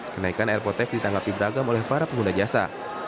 kenaikan airport tax ditanggapi beragam oleh para pengguna jasa